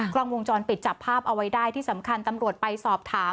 กล้องวงจรปิดจับภาพเอาไว้ได้ที่สำคัญตำรวจไปสอบถาม